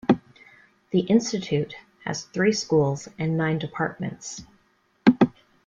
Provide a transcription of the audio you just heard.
The Institute has three Schools and nine Departments.